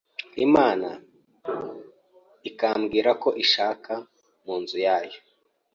Imana yo ikambwirako inshaka munzu yayo